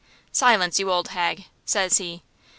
"'Silence, you old hag!' says he.